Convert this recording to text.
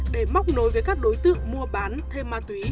để móc nối với các đối tượng mua bán thêm ma túy